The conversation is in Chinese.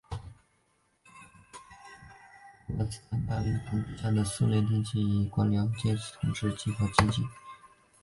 托洛茨基将斯大林统治下的苏联定义为由官僚阶层统治的计划经济。